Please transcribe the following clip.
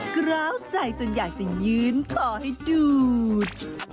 กล้าวใจจนอยากจะยืนขอให้ดูด